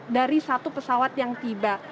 dari satu pesawat yang tiba